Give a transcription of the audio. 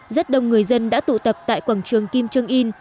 rất đông người dân đã tụ tập tại quảng trường kim trương in